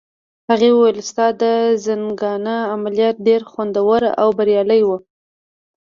هغې وویل: ستا د زنګانه عملیات ډېر خوندور او بریالي وو.